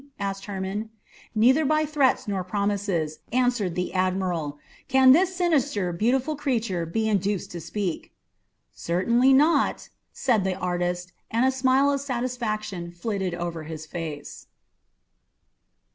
asked Hermon. "Neither by threats nor promises," answered the admiral, "can this sinister, beautiful creature be induced to speak." "Certainly not," said the artist, and a smile of satisfaction flitted over his face.